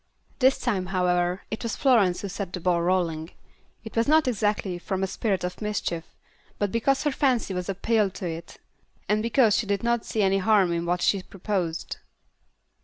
This time, however, it was Florence who set the ball rolling. It was not exactly from a spirit of mischief, but because her fancy was appealed to, and because she did not see any harm in what she proposed.